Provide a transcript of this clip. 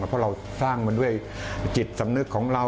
เพราะเราสร้างมันด้วยจิตสำนึกของเรา